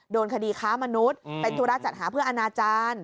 โดนคดีค้ามนุษย์เป็นธุระจัดหาเพื่ออนาจารย์